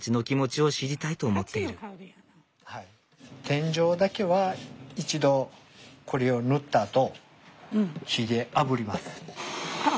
天井だけは一度これを塗ったあと火であぶります。